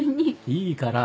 いいから。